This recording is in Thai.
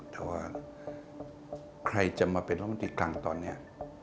แต่ว่าใครจะมาไปลงที่กลางตอนเนี่ย